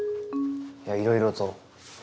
やいろいろと。